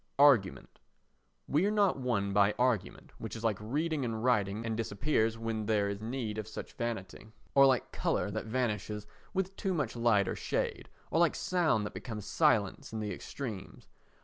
Argument We are not won by argument, which is like reading and writing and disappears when there is need of such vanity, or like colour that vanishes with too much light or shade, or like sound that becomes silence in the extremes.